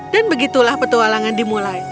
dan begitulah petualangan dimulai